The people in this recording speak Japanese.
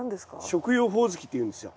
食用ホオズキっていうんですよ。